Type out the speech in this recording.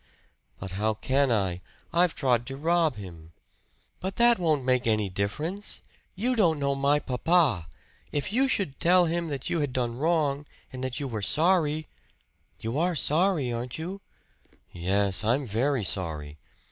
"But how can I? I've tried to rob him!" "But that won't make any difference! You don't know my papa. If you should tell him that you had done wrong and that you were sorry you are sorry, aren't you?" "Yes, I'm very sorry."